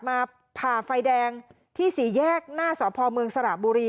ผ่าไฟแดงที่สี่แยกหน้าสพเมืองสระบุรี